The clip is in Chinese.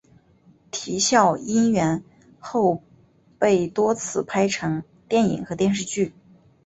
啼笑因缘后被多次拍成电影和电视剧。